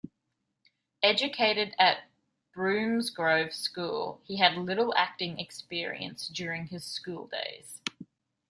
Educated at Bromsgrove School, he had little acting experience during his school days.